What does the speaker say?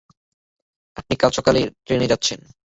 আপনি কাল সকালের ট্রেনে যাচ্ছেন।